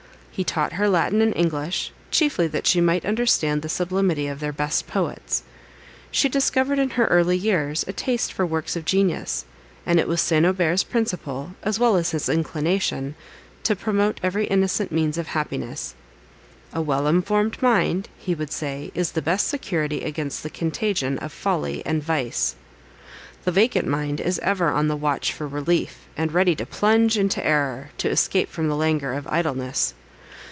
He taught her Latin and English, chiefly that she might understand the sublimity of their best poets. She discovered in her early years a taste for works of genius; and it was St. Aubert's principle, as well as his inclination, to promote every innocent means of happiness. "A well informed mind," he would say, "is the best security against the contagion of folly and of vice. The vacant mind is ever on the watch for relief, and ready to plunge into error, to escape from the languor of idleness.